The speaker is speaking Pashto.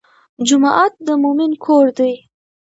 جومات د مؤمن کور دی.